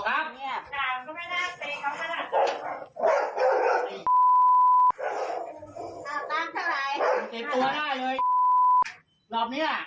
รอบนี้ล่ะ